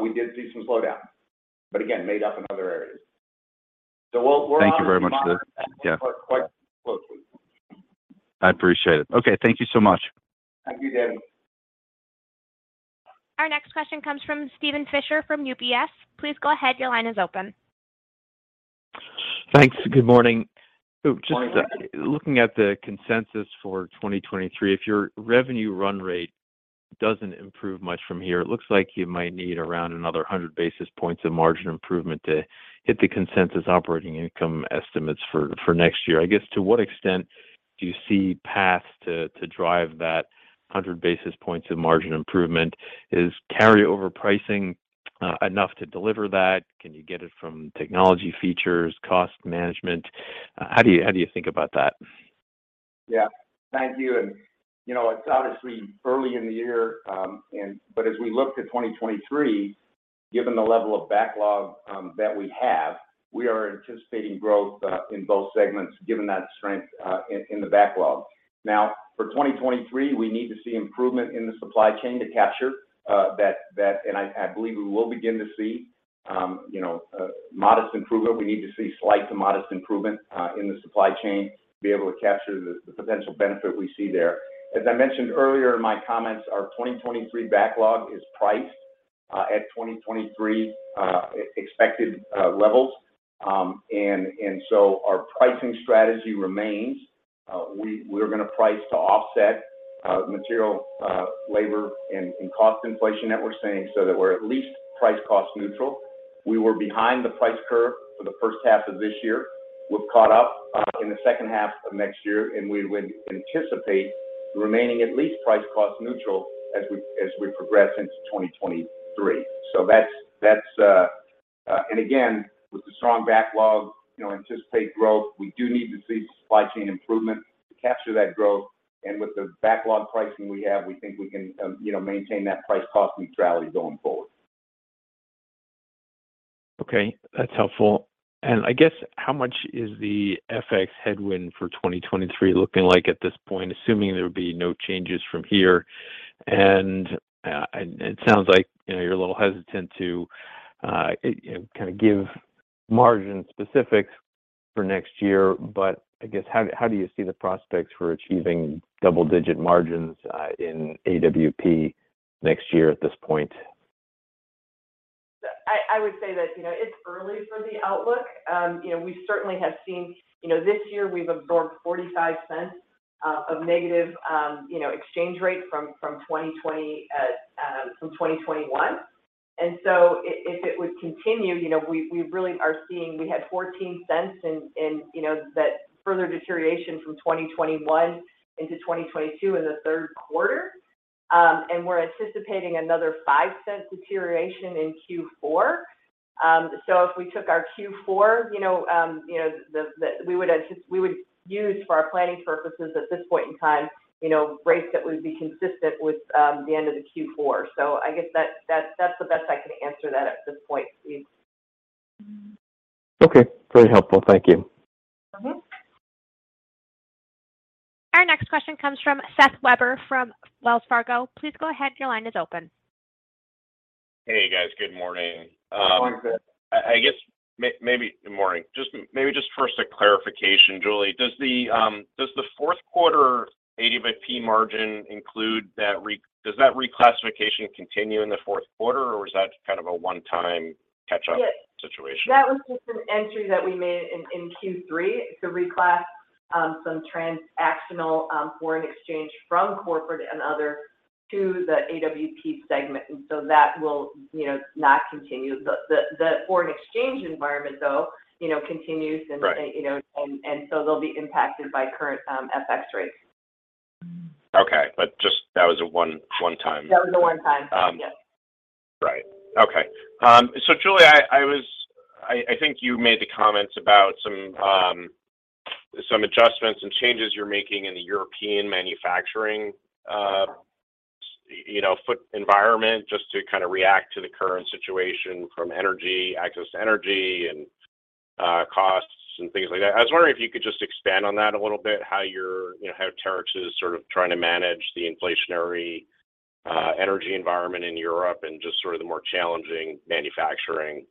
we did see some slowdown, but again, made up in other areas. We're- Thank you very much for that. Yeah. -quite closely. I appreciate it. Okay, thank you so much. Thank you, David. Our next question comes from Steven Fisher from UBS. Please go ahead. Your line is open. Thanks. Good morning. Good morning. Just looking at the consensus for 2023, if your revenue run rate doesn't improve much from here, it looks like you might need around another 100 basis points of margin improvement to hit the consensus operating income estimates for next year. I guess to what extent do you see paths to drive that 100 basis points of margin improvement? Is carryover pricing enough to deliver that? Can you get it from technology features, cost management? How do you think about that? Yeah. Thank you. You know, it's obviously early in the year, but as we look to 2023, given the level of backlog that we have, we are anticipating growth in both segments given that strength in the backlog. Now, for 2023, we need to see improvement in the supply chain to capture that. I believe we will begin to see, you know, modest improvement. We need to see slight to modest improvement in the supply chain to be able to capture the potential benefit we see there. As I mentioned earlier in my comments, our 2023 backlog is priced at 2023 expected levels. So our pricing strategy remains. We're gonna price to offset material, labor and cost inflation that we're seeing so that we're at least price cost neutral. We were behind the price curve for the H1 of this year. We've caught up in the H2 of next year, and we would anticipate remaining at least price cost neutral as we progress into 2023. With the strong backlog, you know, anticipate growth. We do need to see supply chain improvement to capture that growth. With the backlog pricing we have, we think we can, you know, maintain that price cost neutrality going forward. Okay. That's helpful. I guess how much is the FX headwind for 2023 looking like at this point, assuming there would be no changes from here? It sounds like, you know, you're a little hesitant to, you know, kind of give margin specifics for next year. I guess how do you see the prospects for achieving double digit margins in AWP next year at this point? I would say that, you know, it's early for the outlook. You know, we certainly have seen. You know, this year we've absorbed $0.45 of negative exchange rate from 2021. If it would continue, you know, we really are seeing. We had $0.14 in that further deterioration from 2021 into 2022 in the Q3. We're anticipating another $0.05 deterioration in Q4. If we took our Q4, you know, we would use for our planning purposes at this point in time, you know, rates that would be consistent with the end of the Q4. I guess that's the best I can answer that at this point, Steve. Okay. Very helpful. Thank you. Our next question comes from Seth Weber from Wells Fargo. Please go ahead. Your line is open. Hey, guys. Good morning. Good morning, Seth. Good morning. Just maybe just first a clarification. Julie, does the Q4 AWP margin include that reclassification? Does that reclassification continue in the Q4, or was that kind of a one-time catch-up? Yes Situation? That was just an entry that we made in Q3 to reclass some transactional foreign exchange from corporate and other to the AWP segment. That will, you know, not continue. The foreign exchange environment though, you know, continues. Right You know, they'll be impacted by current FX rates. Okay. Just that was a one time- That was a one-time item. Yes. Right. Okay. I think you made the comments about some adjustments and changes you're making in the European manufacturing footprint environment just to kind of react to the current situation from energy, access to energy, and costs and things like that. I was wondering if you could just expand on that a little bit, how you're you know, how Terex is sort of trying to manage the inflationary energy environment in Europe and just sort of the more challenging manufacturing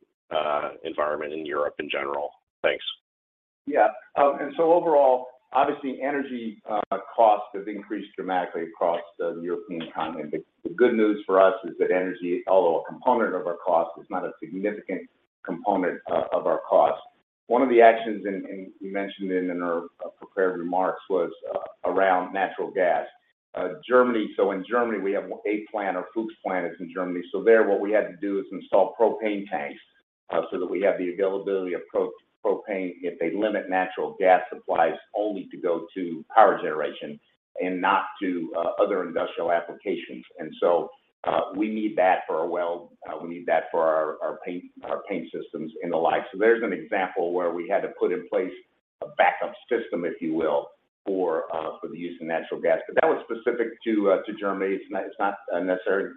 environment in Europe in general. Thanks. Yeah. Overall, obviously energy cost has increased dramatically across the European continent. The good news for us is that energy, although a component of our cost, is not a significant component of our cost. One of the actions, and we mentioned it in our prepared remarks, was around natural gas. Germany. In Germany, we have a plant, our Fuchs plant is in Germany. There, what we had to do is install propane tanks so that we have the availability of propane if they limit natural gas supplies only to go to power generation and not to other industrial applications. We need that for our weld, we need that for our paint systems and the like. There's an example where we had to put in place a backup system, if you will, for the use of natural gas. That was specific to Germany. It's not necessarily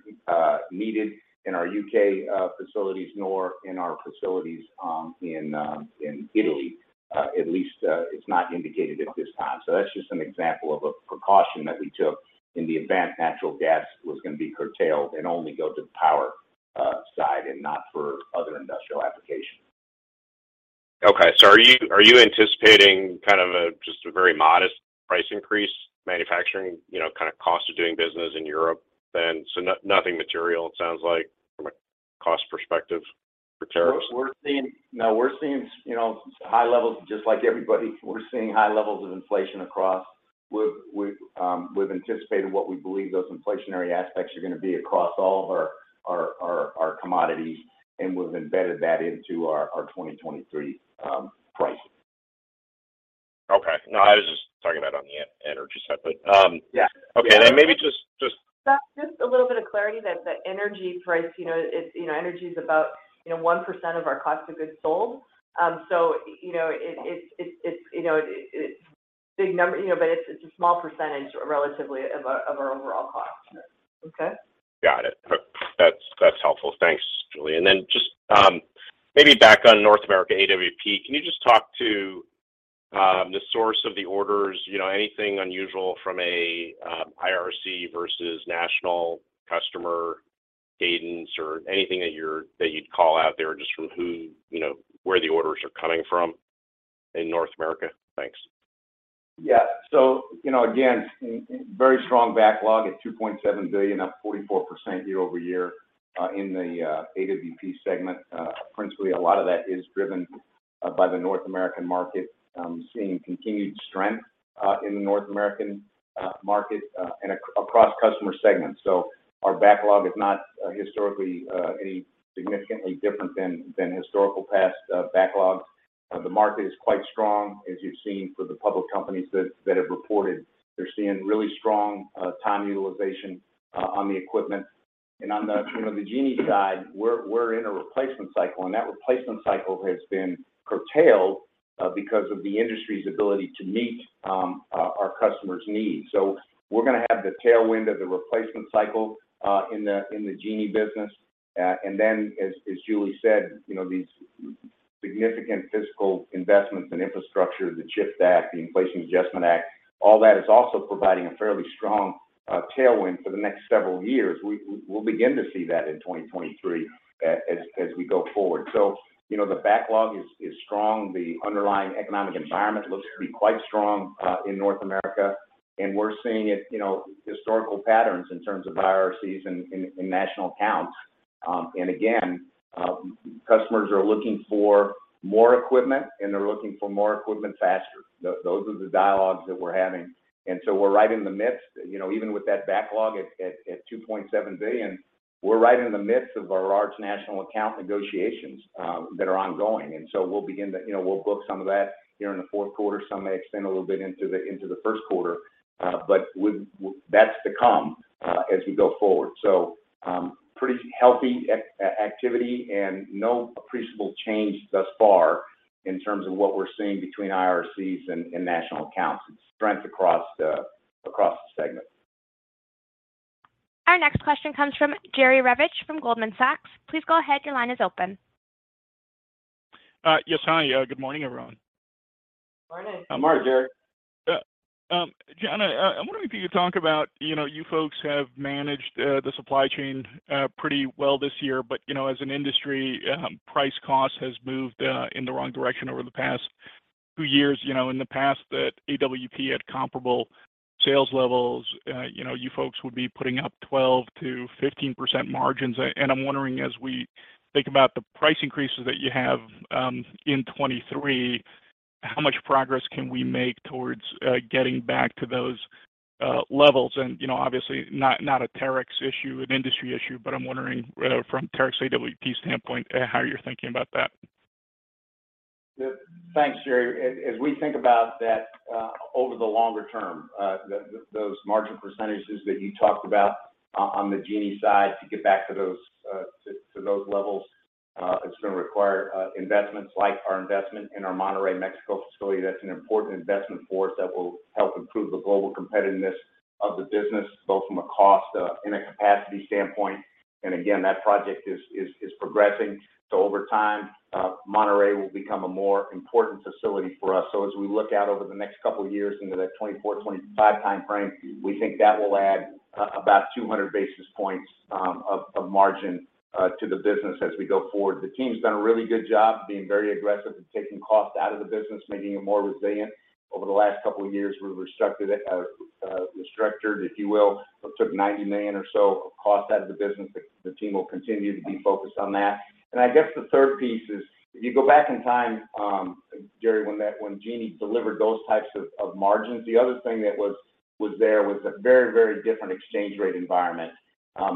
needed in our U.K. facilities nor in our facilities in Italy. At least it's not indicated at this time. That's just an example of a precaution that we took in the event natural gas was gonna be curtailed and only go to the power side and not for other industrial applications. Okay. Are you anticipating kind of a just a very modest price increase manufacturing, you know, kind of cost of doing business in Europe then? Nothing material it sounds like from a cost perspective for Terex? We're seeing, you know, high levels just like everybody. We're seeing high levels of inflation across. We've anticipated what we believe those inflationary aspects are gonna be across all of our commodities, and we've embedded that into our 2023 pricing. No, I was just talking about on the e-energy side, but yeah. Okay. Maybe just- That's just a little bit of clarity that the energy price, you know, it's, you know, energy is about, you know, 1% of our cost of goods sold. So, you know, it's a big number, you know, but it's a small percentage relatively of our overall cost. Okay? Got it. That's helpful. Thanks, Julie. Then just maybe back on North America AWP. Can you just talk to the source of the orders? You know, anything unusual from a IRC versus national customer cadence or anything that you'd call out there just from who, you know, where the orders are coming from in North America? Thanks. Yeah. You know, again, very strong backlog at $2.7 billion, up 44% year-over-year in the AWP segment. Principally, a lot of that is driven by the North American market seeing continued strength in the North American market and across customer segments. Our backlog is not historically any significantly different than historical past backlogs. The market is quite strong, as you've seen for the public companies that have reported. They're seeing really strong time utilization on the equipment. On the, you know, the Genie side, we're in a replacement cycle, and that replacement cycle has been curtailed because of the industry's ability to meet our customers' needs. We're gonna have the tailwind of the replacement cycle in the Genie business. And then as Julie said, you know, these significant federal investments in infrastructure, the CHIPS Act, the Inflation Reduction Act, all that is also providing a fairly strong tailwind for the next several years. We'll begin to see that in 2023 as we go forward. You know, the backlog is strong. The underlying economic environment looks to be quite strong in North America, and we're seeing historical patterns in terms of IRCs in national accounts. And again, customers are looking for more equipment, and they're looking for more equipment faster. Those are the dialogues that we're having. We're right in the midst, even with that backlog at $2.7 billion, we're right in the midst of our large national account negotiations that are ongoing. We'll book some of that here in the Q4. Some may extend a little bit into the Q1, but that's to come, as we go forward. Pretty healthy activity and no appreciable change thus far in terms of what we're seeing between IRCs and national accounts. It's strength across the segment. Our next question comes from Jerry Revich from Goldman Sachs. Please go ahead. Your line is open. Yes. Hi. Good morning, everyone. Morning. Good morning, Jerry. John, I'm wondering if you could talk about, you know, you folks have managed the supply chain pretty well this year, but you know, as an industry, price cost has moved in the wrong direction over the past two years. You know, in the past that AWP had comparable sales levels, you know, you folks would be putting up 12%-15% margins. I'm wondering, as we think about the price increases that you have in 2023, how much progress can we make towards getting back to those levels? You know, obviously not a Terex issue, an industry issue, but I'm wondering from Terex AWP standpoint how you're thinking about that. Thanks, Jerry. As we think about that, over the longer term, those margin percentages that you talked about on the Genie side, to get back to those levels, it's gonna require investments like our investment in our Monterrey, Mexico facility. That's an important investment for us that will help improve the global competitiveness of the business, both from a cost and a capacity standpoint. That project is progressing. Over time, Monterrey will become a more important facility for us. As we look out over the next couple of years into that 2024, 2025 time frame, we think that will add about 200 basis points of margin to the business as we go forward. The team's done a really good job being very aggressive and taking costs out of the business, making it more resilient. Over the last couple of years, we've restructured, if you will, took $90 million or so of cost out of the business. The team will continue to be focused on that. I guess the third piece is, if you go back in time, Jerry, when Genie delivered those types of margins, the other thing that was there was a very, very different exchange rate environment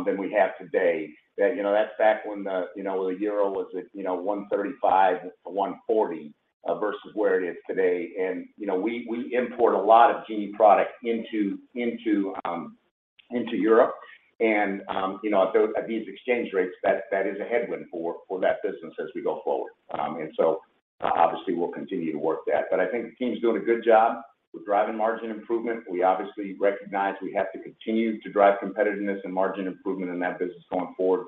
than we have today. You know, that's back when the euro was at 1.35-1.40 versus where it is today. You know, we import a lot of Genie product into Europe. You know, at these exchange rates, that is a headwind for that business as we go forward. Obviously, we'll continue to work that. I think the team's doing a good job with driving margin improvement. We obviously recognize we have to continue to drive competitiveness and margin improvement in that business going forward.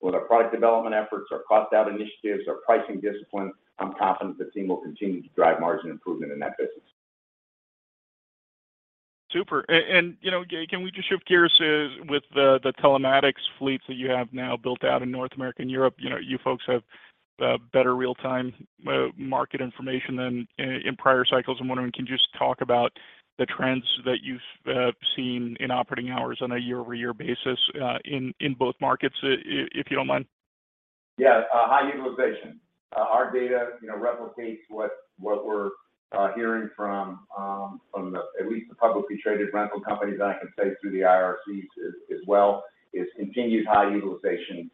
With our product development efforts, our cost down initiatives, our pricing discipline, I'm confident the team will continue to drive margin improvement in that business. Super. You know, can we just shift gears with the telematics fleet that you have now built out in North America and Europe? You know, you folks have better real-time market information than in prior cycles. I'm wondering, can you just talk about the trends that you've seen in operating hours on a year-over-year basis, in both markets, if you don't mind? Yeah, high utilization. Our data, you know, replicates what we're hearing from at least the publicly traded rental companies. I can say through the IRCs as well is continued high utilization of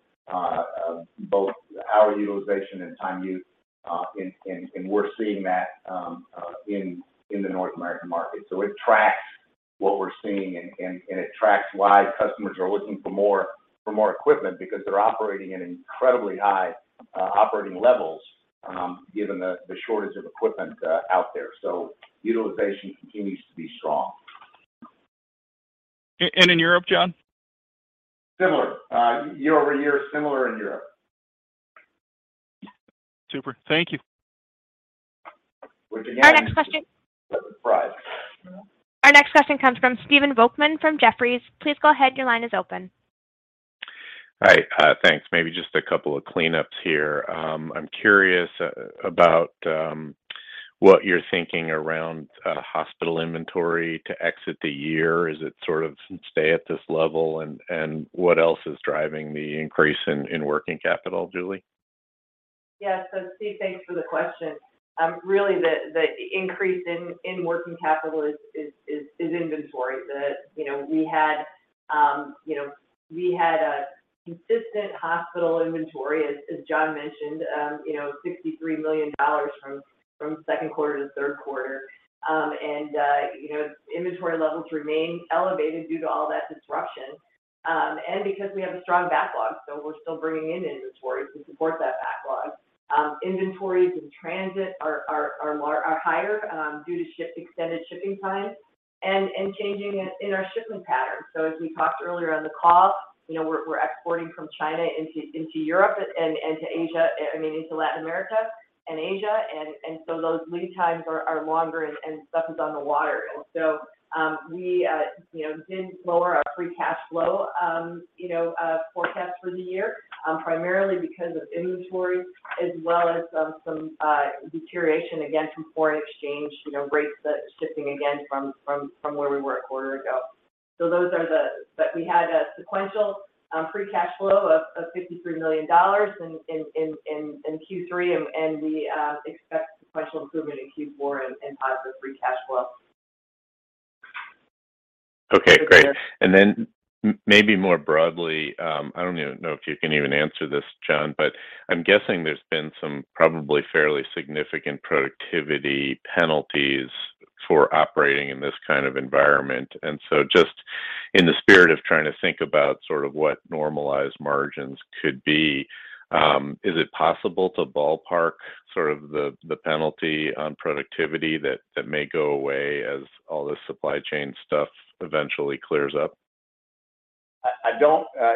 both hour utilization and time use. And we're seeing that in the North American market. It tracks what we're seeing and it tracks why customers are looking for more equipment because they're operating at incredibly high operating levels given the shortage of equipment out there. Utilization continues to be strong. In Europe, John? Similar. Year-over-year, similar in Europe. Super. Thank you. Which again- Our next question- -surprise. Our next question comes from Stephen Volkmann from Jefferies. Please go ahead. Your line is open. Hi, thanks. Maybe just a couple of cleanups here. I'm curious about what you're thinking around hospital inventory to exit the year. Is it sort of stay at this level and what else is driving the increase in working capital, Julie? Steve, thanks for the question. Really the increase in working capital is inventory. You know, we had a consistent hospital inventory as John mentioned, you know, $63 million from Q2 to Q3. And inventory levels remain elevated due to all that disruption. And because we have a strong backlog, we're still bringing in inventory to support that backlog. Inventories in transit are higher due to extended shipping times and changes in our shipping patterns. As we talked earlier on the call, you know, we're exporting from China into Europe and to Asia, I mean, into Latin America and Asia. Those lead times are longer and stuff is on the water. We did lower our free cash flow forecast for the year primarily because of inventory as well as some deterioration again from foreign exchange you know rates that shifting again from where we were a quarter ago. Those are the. We had a sequential free cash flow of $53 million in Q3 and we expect sequential improvement in Q4 and positive free cash flow. Okay, great. Maybe more broadly, I don't even know if you can even answer this, John, but I'm guessing there's been some probably fairly significant productivity penalties for operating in this kind of environment. Just in the spirit of trying to think about sort of what normalized margins could be, is it possible to ballpark sort of the penalty on productivity that may go away as all this supply chain stuff eventually clears up?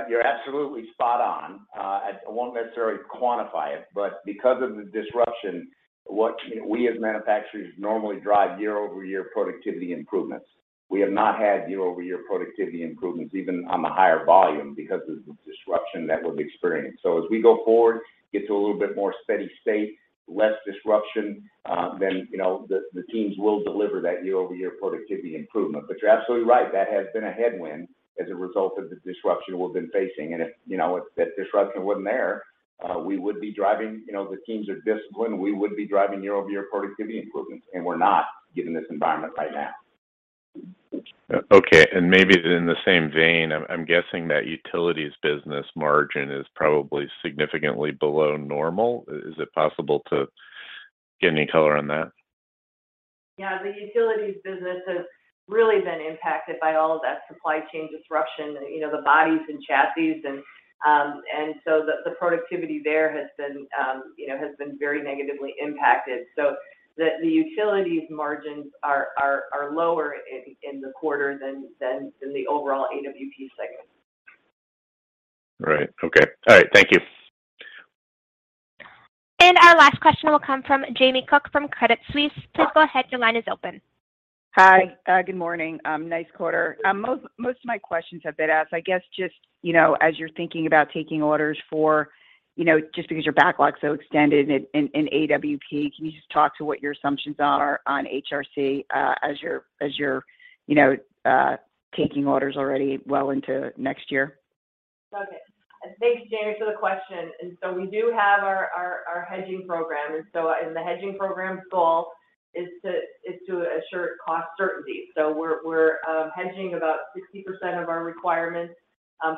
You're absolutely spot on. I won't necessarily quantify it, but because of the disruption, what we as manufacturers normally drive year-over-year productivity improvements. We have not had year-over-year productivity improvements even on the higher volume because of the disruption that we've experienced. As we go forward, get to a little bit more steady state, less disruption, you know, the teams will deliver that year-over-year productivity improvement. But you're absolutely right, that has been a headwind as a result of the disruption we've been facing. If, you know, if that disruption wasn't there, we would be driving, you know, the teams are disciplined. We would be driving year-over-year productivity improvements, and we're not given this environment right now. Okay, maybe in the same vein, I'm guessing that utilities business margin is probably significantly below normal. Is it possible to get any color on that? Yeah. The utilities business has really been impacted by all of that supply chain disruption, you know, the bodies and chassis. The productivity there has been, you know, very negatively impacted. The utilities margins are lower in the quarter than the overall AWP segment. Right. Okay. All right. Thank you. Our last question will come from Jamie Cook from Credit Suisse. Please go ahead. Your line is open. Hi. Good morning. Nice quarter. Most of my questions have been asked. I guess just, you know, as you're thinking about taking orders for, you know, just because your backlog's so extended in AWP, can you just talk to what your assumptions are on HRC, as you're, you know, taking orders already well into next year? Okay. Thanks Jamie for the question. We do have our hedging program, and the hedging program's goal is to assure cost certainty. We're hedging about 60% of our requirements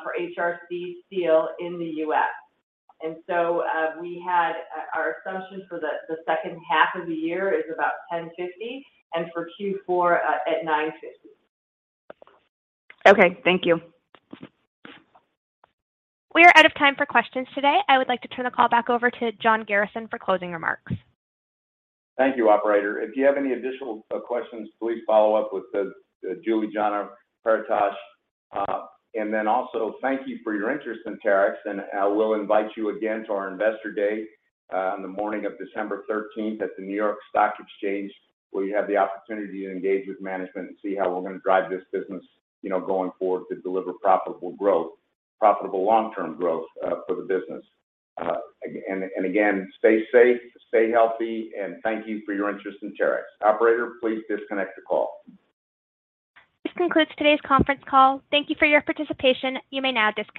for HRC steel in the U.S.. We had our assumption for the H2 of the year is about $1,050, and for Q4 at $950. Okay. Thank you. We are out of time for questions today. I would like to turn the call back over to John Garrison for closing remarks. Thank you, operator. If you have any additional questions, please follow up with Julie, Jon, or Paretosh. And then also thank you for your interest in Terex, and I will invite you again to our Investor Day on the morning of December thirteenth at the New York Stock Exchange, where you have the opportunity to engage with management and see how we're gonna drive this business, you know, going forward to deliver profitable growth, profitable long-term growth for the business. And again, stay safe, stay healthy, and thank you for your interest in Terex. Operator, please disconnect the call. This concludes today's conference call. Thank you for your participation. You may now disconnect.